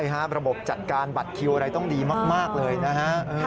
ระบบจัดการบัตรคิวอะไรต้องดีมากเลยนะฮะ